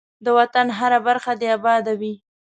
ده وطن هره برخه دی اباده وی.